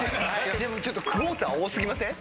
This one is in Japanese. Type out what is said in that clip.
でもちょっとクォーター多すぎません？